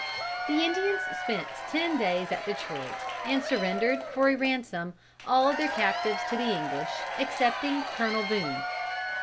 The Indians spent ten days at Detroit, and surrendered, for a ransom, all their captives to the English, excepting Colonel Boone.